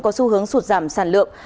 có xu hướng sụt giảm sản lượng